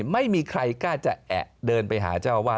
ไม่มีใครกล้าจะแอะเดินไปหาเจ้าอาวาส